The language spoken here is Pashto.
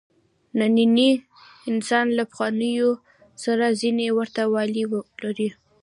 نننی انسان له پخوانیو سره ځینې ورته والي لري.